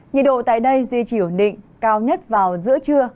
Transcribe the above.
nhiệt độ tại đây duy trì ổn định cao nhất vào giữa trưa